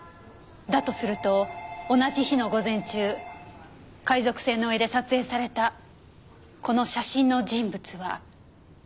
だとすると同じ日の午前中海賊船の上で撮影されたこの写真の人物は一体？